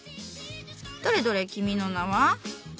どれどれ君の名は？